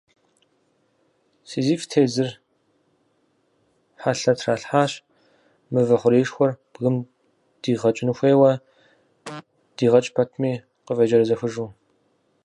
Сизиф тезыр хьэлъэ тралъхьащ, мывэ хъуреишхуэр бгым дикъэкӏын хуейуэ, дигъэкӏ пэтми, къыфӏеджэрэзэхыжу.